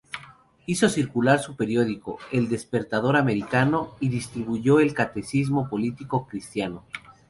Hizo circular su periódico, "El Despertador Americano", y distribuyó el "Catecismo Político Cristiano".